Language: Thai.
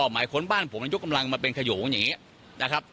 หมายค้นบ้านผมมันยกกำลังมาเป็นขยงอย่างนี้นะครับ